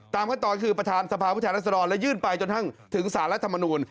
ตามข้างต่อคือประธานสภาพผู้แทนราษฎรและยื่นไปจนถึงสารรัฐมนุน